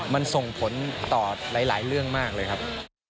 มันส่งผลต่อหลายเรื่องมากเลยครับ